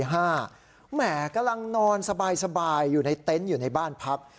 แหมกำลังนอนสบายอยู่ในเต็นต์อยู่ในบ้านพัก